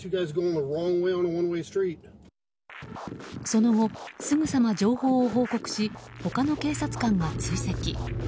その後、すぐさま情報を報告し他の警察官が追跡。